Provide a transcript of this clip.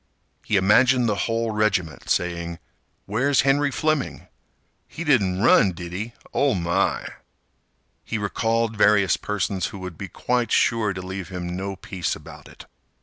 He imagined the whole regiment saying: "Where's Henry Fleming? He run, didn't 'e? Oh, my!" He recalled various persons who would be quite sure to leave him no peace about it.